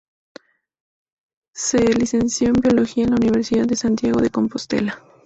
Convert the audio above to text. Se licenció en biología en la Universidad de Santiago de Compostela.